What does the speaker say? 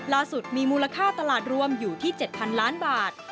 ล่าสุดมีมูลค่าตลาดรวมอยู่ที่๗๐๐ล้านบาท